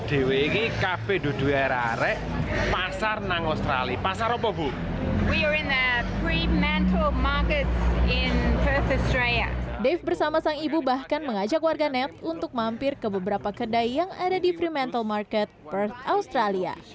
dave bersama sang ibu bahkan mengajak warganet untuk mampir ke beberapa kedai yang ada di fremantle market perth australia